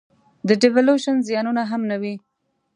د devaluation زیانونه هم نه وي.